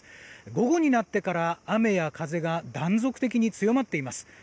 午後になってから雨や風が断続的に強まっています。